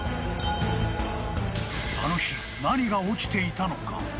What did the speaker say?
あの日、何が起きていたのか。